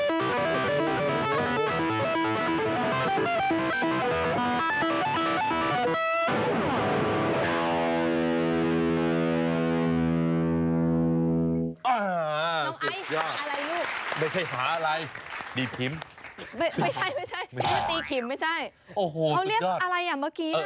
เขาเรียกอะไรอ่ะเมื่อกี้